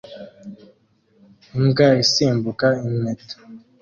Imbwa isimbuka impeta